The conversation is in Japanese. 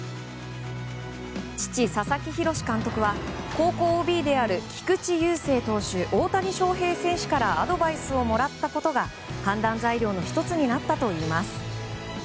父・佐々木洋監督は高校ＯＢである菊池雄星投手、大谷翔平選手からアドバイスをもらったことが判断材料の１つになったといいます。